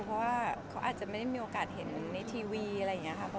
เพราะว่าเขาอาจจะไม่ได้มีโอกาสเห็นในทีวีอะไรอย่างนี้ค่ะ